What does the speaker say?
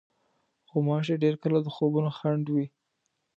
غوماشې ډېر کله د خوبونو خنډ وي.